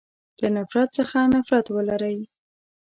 له نفرت څخه نفرت ولری.